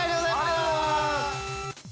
◆ありがとうございます。